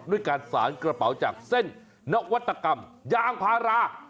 ด้วยการสารกระเป๋าจากเส้นนวัตกรรมยางพารา